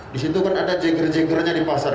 disitu kan ada jeger jegernya di pasar